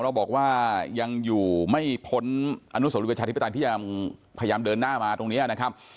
เราบอกว่ายังอยู่ไม่พ้นอนุสรีประชาธิปไตยที่ยังพยายามเดินหน้ามาตรงนี้นะครับ